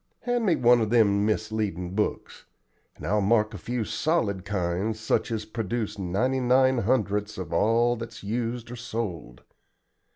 Hand me one of them misleadin' books, and I'll mark a few solid kinds such as produce ninety nine hundredths of all that's used or sold.